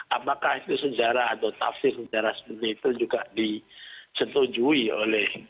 apakah itu sejarah atau tafsir sejarah seperti itu juga disetujui oleh